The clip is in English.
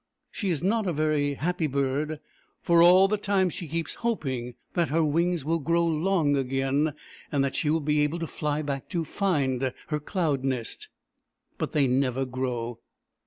She is not a very happy bird, for all the time she keeps hoping that her wings will grow long again and that she will be able to fly back to find her cloud nest. But they never grow.